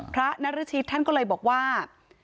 นรชิตท่านก็เลยบอกว่า